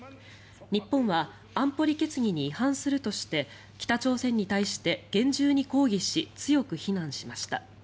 日本は安保理決議に違反するとして北朝鮮に対して厳重に抗議し強く非難しました。